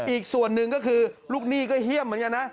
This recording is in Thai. อีกส่วนหนึ่งก็คือลูกหนี้ก็เยี่ยมเหมือนกันนะ